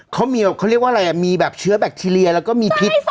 เขามีเขาเรียกว่าอะไรมีแบบเชื้อแบคทีเรียแล้วก็มีพิษ